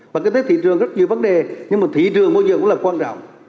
và có thể thị trường rất nhiều vấn đề nhưng mà thị trường mỗi giờ cũng là quan trọng